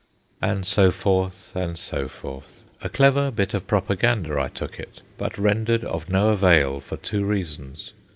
And so forth and so forth. A clever bit of propaganda, I took it, but rendered of no avail for two reasons.